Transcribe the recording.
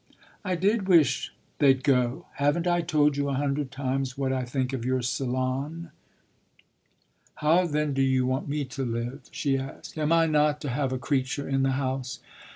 "I did wish they'd go. Haven't I told you a hundred times what I think of your salon?" "How then do you want me to live?" she asked. "Am I not to have a creature in the house?"